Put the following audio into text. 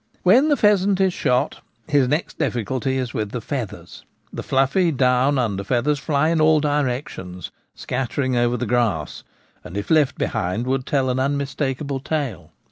When the pheasant is shot his next difficulty is with the feathers. The fluffy, downy under feathers fly in all directions, scattering over the grass, and if left behind would tell an unmistakable tale.